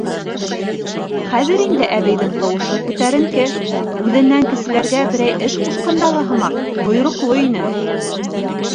Хәҙер инде әбейҙең тауышы күтәренке, үҙенән кеселәргә берәй эш ҡушҡандағы һымаҡ бойороҡло ине.